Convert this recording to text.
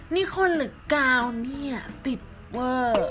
นี่คนหรือกาวเนี่ยติดเวอร์